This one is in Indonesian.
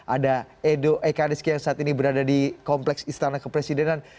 ada edo ekariski yang saat ini berada di kompleks istana kepresidenan